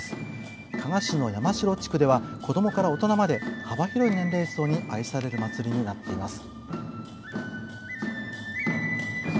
加賀市の山代地区では子供から大人まで幅広い年齢層に愛される祭りになっています。